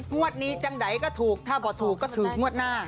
งวดนี้จังใดก็ถูกถ้าบอกถูกก็ถูกงวดหน้า